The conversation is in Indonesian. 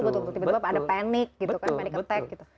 tiba tiba ada panik gitu kan panic attack gitu